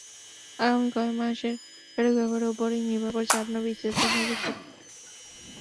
আগামী কয়েক মাসের সঠিক ব্যবহারের ওপরই নির্ভর করছে আপনার বিসিএসের ভবিষ্যৎ।